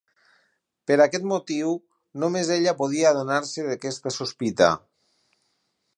Per aquest motiu, només ella podia adonar-se d'aquesta sospita.